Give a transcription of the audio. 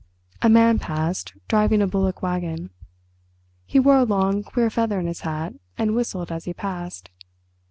A man passed, driving a bullock wagon. He wore a long, queer feather in his hat, and whistled as he passed.